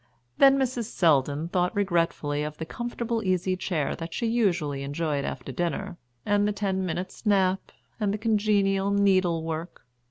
Then Mrs. Selldon thought regretfully of the comfortable easy chair that she usually enjoyed after dinner, and the ten minutes' nap, and the congenial needle work.